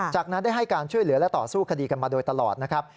จากนั้นได้ให้การช่วยเหลือและต่อสู้คดีกันมาโดยตลอดนะครับ